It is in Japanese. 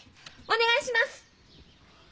お願いします！